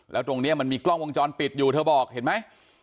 แล้วตรงนี้มันมีกล้องวงจรปิดอยู่เธอบอกเห็นไหม